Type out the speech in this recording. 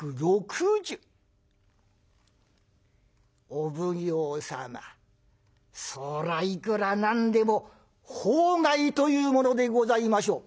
お奉行様そらぁいくら何でも法外というものでございましょう」。